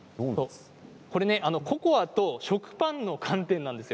ココアと食パンの寒天なんですよ。